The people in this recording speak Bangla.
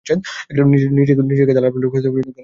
নিজেকে দালাল বলে কেন দাবি করিস?